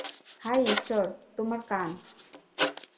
হায় ঈশ্বর, তোমার কান।